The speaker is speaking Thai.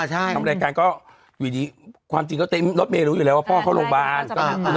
น้องแรกกาลก็อยู่ดีความจริงก็เต็มลดเบลูอีกแล้วว่าพ่อเข้าโรงบาล